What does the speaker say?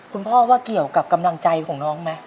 คุณพ่อว่าเกี่ยวกับกำลังใจของน้องไหม